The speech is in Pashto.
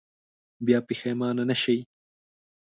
بیا پښېمانه نه شئ.